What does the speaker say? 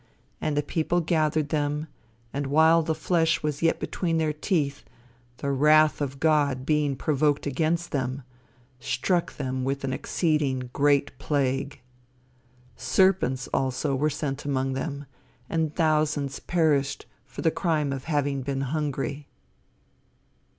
And the people gathered them, and while the flesh was yet between their teeth the wrath of God being provoked against them, struck them with an exceeding great plague. Serpents, also, were sent among them, and thousands perished for the crime of having been hungry.